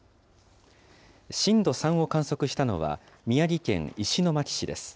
震度３を観測したのは宮城県石巻市です。